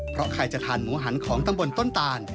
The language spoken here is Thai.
เพราะใครจะทานหมูหันของตำบลต้นตาน